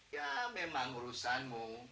ya memang urusanmu